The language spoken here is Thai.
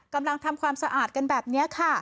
กำลังทำความสะอาดกันแบบนี้ค่ะ